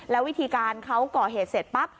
แล้ววิธีการเขาก่อเหตุเสร็จปั๊บ